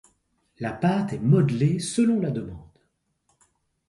La pâte est modelée selon la demande.